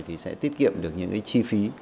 thì sẽ tiết kiệm được những cái chi phí